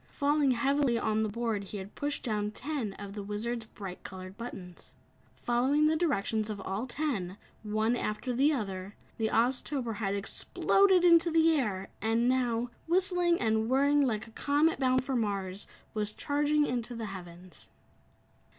Falling heavily on the board he had pushed down ten of the Wizard's bright colored buttons. Following the directions of all ten, one after the other, the Oztober had exploded into the air and now, whistling and whirling like a comet bound for Mars, was charging into the Heavens.